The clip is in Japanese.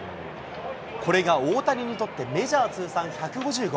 これが大谷にとってメジャー通算１５０号。